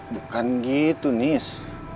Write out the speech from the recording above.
bukan gitu nis